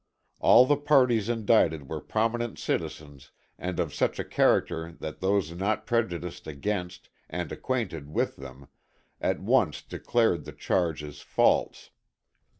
All the parties indicted were prominent citizens and of such a character that those not prejudiced against, and acquainted with them, at once declared the charges false.